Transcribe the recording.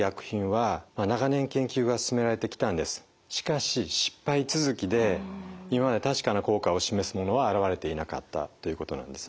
しかし失敗続きで今まで確かな効果を示すものは現れていなかったということなんですね。